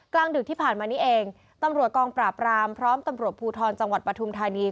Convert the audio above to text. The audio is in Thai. กลางดึกที่ผ่านมานี้เองตำรวจกองปราบรามพร้อมตำรวจภูทรจังหวัดปฐุมธานี